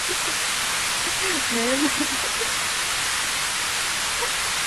Pátá jíjí ti wá di iṣẹ́ fún àwọn ọ̀dọ́ tó yọ̀lẹ nítorí owó.